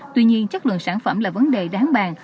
tuy nhiên chất lượng sản phẩm là vấn đề đáng bàn